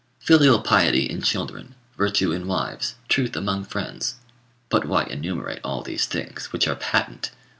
Filial piety in children, virtue in wives, truth among friends but why enumerate all these things, which are patent?